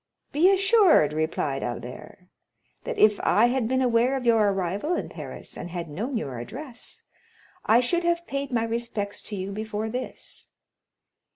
"Be assured," replied Albert, "that if I had been aware of your arrival in Paris, and had known your address, I should have paid my respects to you before this.